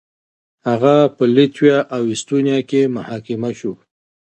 هغه په لتويا او اېسټونيا کې محاکمه شو.